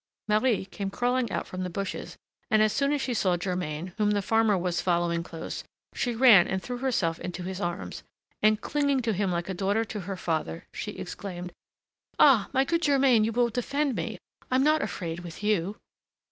Marie came crawling out from the bushes, and as soon as she saw Germain, whom the farmer was following close, she ran and threw herself into his arms; and, clinging to him like a daughter to her father, she exclaimed: "Ah! my good Germain, you will defend me; I'm not afraid with you."